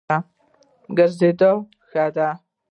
ګرځېدل ښه دی.